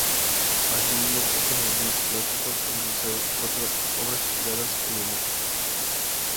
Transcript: Asimismo, otros artistas plásticos han realizado obras inspiradas en la imagen.